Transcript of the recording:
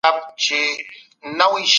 د باسواده کسانو کورنی ژوند ارام وي.